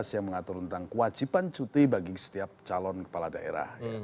yang mengatur tentang kewajiban cuti bagi setiap calon kepala daerah